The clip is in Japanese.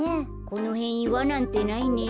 このへんいわなんてないね。